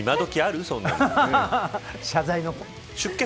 謝罪の。